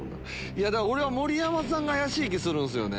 俺は盛山さんが怪しい気するんすよね。